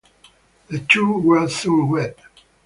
The two were soon wed.